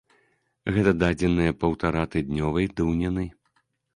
Гэта дадзеныя паўтаратыднёвай даўніны.